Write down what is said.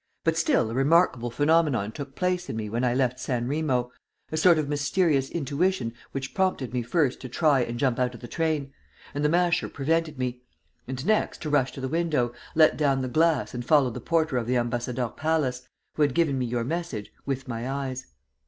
"But still a remarkable phenomenon took place in me when I left San Remo, a sort of mysterious intuition which prompted me first to try and jump out of the train and the Masher prevented me and next to rush to the window, let down the glass and follow the porter of the Ambassadeurs Palace, who had given me your message, with my eyes.